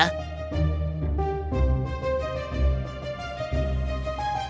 dia mencari kemampuan untuk mencari kemampuan untuk mencari kemampuan untuk mencari kemampuan